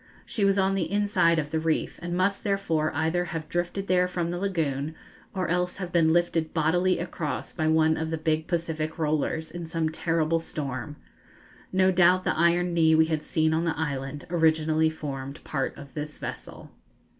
She was on the inside of the reef, and must therefore either have drifted there from the lagoon, or else have been lifted bodily across by one of the big Pacific rollers, in some terrible storm. No doubt the iron knee we had seen on the island originally formed part of this vessel.